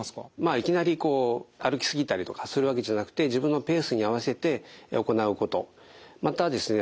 いきなり歩きすぎたりとかするわけじゃなくて自分のペースに合わせて行うことまたですね